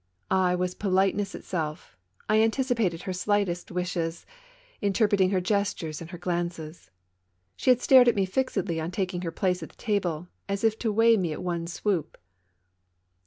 '' I was politeness itself, I anticipated her slightest wishes, interpreting her gestures and her glances. She had stared at me fixedly on taking her place at the table, as if to weigh me at a swoop.